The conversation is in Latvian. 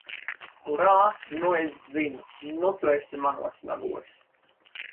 Urā! Nu es zinu! Nu tu esi manos nagos!